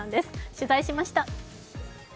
取材しました。